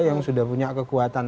yang sudah punya kekuatan